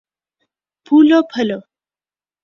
پھولو پھلو